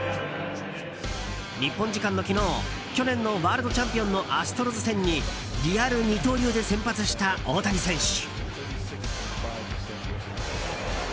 日本時間の昨日去年のワールドチャンピオンのアストロズ戦にリアル二刀流で先発した大谷選手。